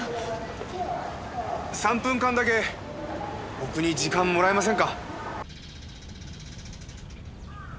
３分間だけ僕に時間もらえませんか？